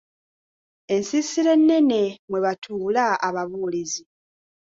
Ensiisira ennene mwe batuula ababuulizi.